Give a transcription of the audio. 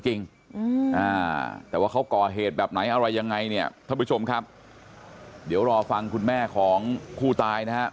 จริงแต่ว่าเขาก่อเหตุแบบไหนอะไรยังไงเนี่ยท่านผู้ชมครับเดี๋ยวรอฟังคุณแม่ของผู้ตายนะครับ